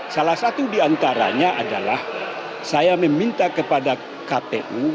salah satu diantaranya adalah saya meminta kepada kpu